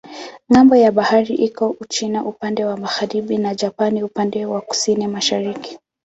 Ng'ambo ya bahari iko Uchina upande wa magharibi na Japani upande wa kusini-mashariki.